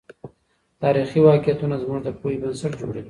تاريخي واقعيتونه زموږ د پوهې بنسټ جوړوي.